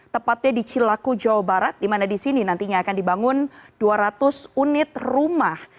tepatnya di cilaku jawa barat di mana di sini nantinya akan dibangun dua ratus unit rumah